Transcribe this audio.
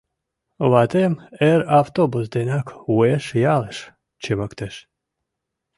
Ватем эр автобус денак уэш ялыш чымыктыш.